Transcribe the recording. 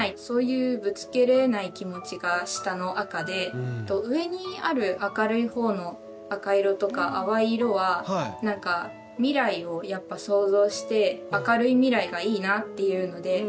そういうぶつけれない気持ちが下の赤で上にある明るい方の赤色とか淡い色はなんか未来をやっぱ想像して明るい未来がいいなっていうので。